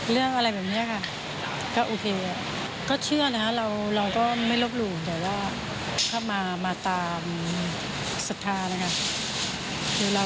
เรื่องอะไรแบบเนี้ยค่ะ